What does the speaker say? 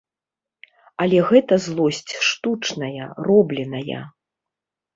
Але гэта злосць штучная, робленая.